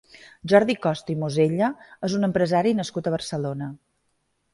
Jordi Costa i Mosella és un empresari nascut a Barcelona.